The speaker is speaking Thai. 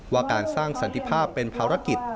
ว่าการสร้างสันติภาพเป็นภารกิจ